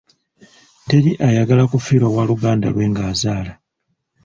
Teri ayagala kufiirwa waaluganda lwe ng'azaala.